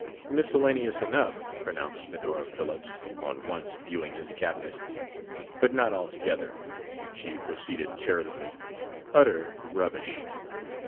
"Miscellaneous enough," pronounced Medora Phillips, on once viewing his cabinet, "but not altogether" she proceeded charitably "utter rubbish."